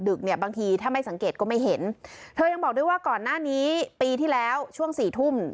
เนี่ยบางทีถ้าไม่สังเกตก็ไม่เห็นเธอยังบอกด้วยว่าก่อนหน้านี้ปีที่แล้วช่วงสี่ทุ่ม